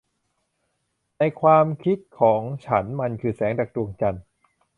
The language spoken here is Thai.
ในความคิดของฉันมันคือแสงจากดวงจันทร์